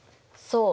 そう。